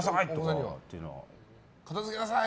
片付けなさい！